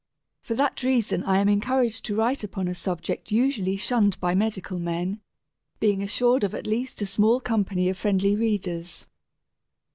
For that reason I am encouraged to write upon a subject usually shunned by medical men, being assured of at least a small company of friendly readers.